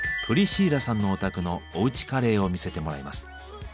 プリシーラさんのお宅のおうちカレーを見せてもらいます。